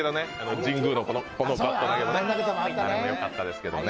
神宮のあのバット投げも好きですけどね。